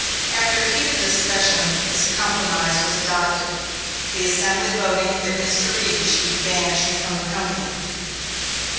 After heated discussion this compromise was adopted, the assembly voting that Mr. Reed should be banished from the company.